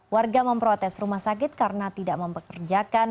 warga memprotes rumah sakit karena tidak mempekerjakan